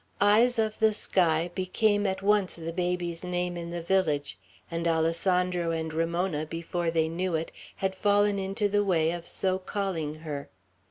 "Eyes of the sky," became at once the baby's name in the village; and Alessandro and Ramona, before they knew it, had fallen into the way of so calling her.